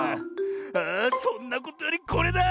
あそんなことよりこれだ！